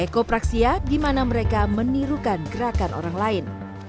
kopraksia di mana mereka menirukan gerakan orang lain